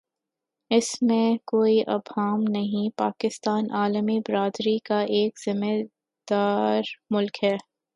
اس میں کوئی ابہام نہیں پاکستان عالمی برادری کا ایک ذمہ دارملک ہے۔